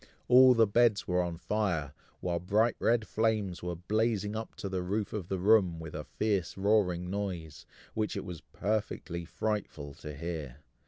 all the beds were on fire, while bright red flames were blazing up to the roof of the room, with a fierce roaring noise, which it was perfectly frightful to hear.